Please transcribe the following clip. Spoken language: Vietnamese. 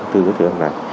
thứ đối tượng này